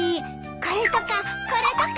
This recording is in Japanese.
これとかこれとか。